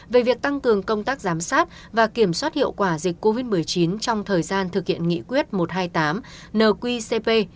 về việc tăng cường công tác giám sát và kiểm soát hiệu quả dịch covid một mươi chín trong thời gian thực hiện nghị quyết một trăm hai mươi tám nqcp